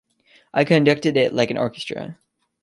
I conducted it like an orchestra.